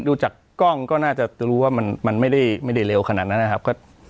ดูจากกล้องก็น่าจะรู้ว่ามันไม่ได้เร็วขนาดนั้นนะครับ